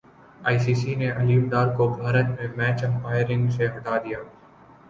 ائی C C نے علیم ڈار کو بھارت میں میچ امپائرنگ سے ہٹا دیا